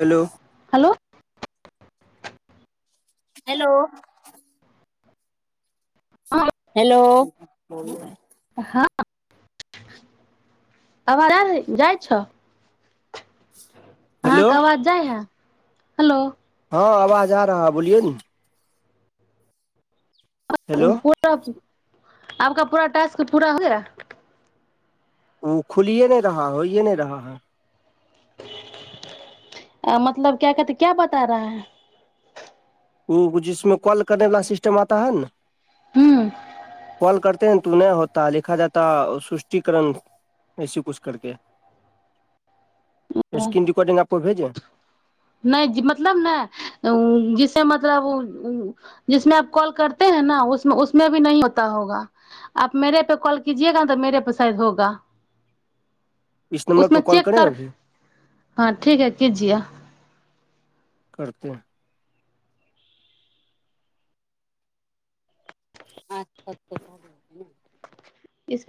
Hello. Hello hello. हँ hello. हँ आ जाइ छै। अहक हेलो अवाज जाइ है। हेलो। हँ आवाज आ रहा है बोलियो न। हेलो पूरा। आपक पूरा टासस्क पूरा हो गया। ओ खुलिएे नहि रहा होये नहि रहा है [unintelligible] आ मतलब क्य कहते क्या बता रहा है [unintelligible] ओ जिसमे कॉल करने वालला सिस्टम आता है न हुँ े तू नहि होता लिखा जाता सुष्टिकरण ऐसी कुछ करके स्क्रीन रिकॉर्डिंग आपको भेजे नहि मतलब ने जिसे मतलब जिसमे कॉल करते है न उ उसमे भी न होता होगा आप मेे पे कॉल कीजएगा ने तऽ मेे पे शायद होगा इस नंबर उसमे पर कॉल चेक करें कर अभी हँ ठीक है कीजए करतेै आज तक तऽ चत इस